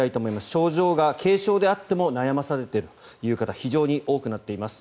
症状が軽症であっても悩まされているという方非常に多くなっています。